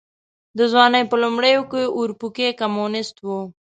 د ځوانۍ په لومړيو کې اورپکی کمونيسټ و.